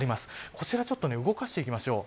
こちらちょっと動かしていきましょう。